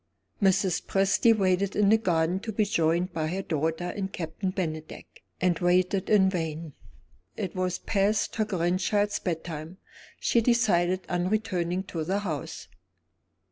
Mrs. Presty waited in the garden to be joined by her daughter and Captain Bennydeck, and waited in vain. It was past her grandchild's bedtime; she decided on returning to the house.